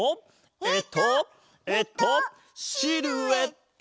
えっとえっとシルエット！